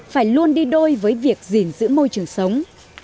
phải luôn đi đôi với việc gìn giữ môi trường sống